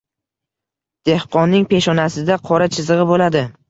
Dehqonning peshonasida qora chizig‘i bo‘ladi.